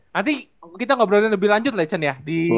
nanti kita ngobrolin lebih lanjut lah ya chen ya